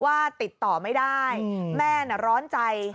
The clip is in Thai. ติดต่อไม่ได้แม่น่ะร้อนใจ